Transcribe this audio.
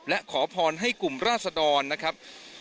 และขอพรให้กลุ่มราศดรนะครับ